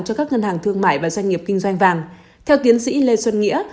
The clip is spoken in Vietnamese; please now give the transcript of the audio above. cho các ngân hàng thương mại và doanh nghiệp kinh doanh vàng theo tiến sĩ lê xuân nghĩa